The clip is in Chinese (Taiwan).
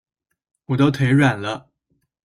我都腿軟了